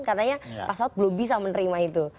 katanya pak saud belum bisa menerima itu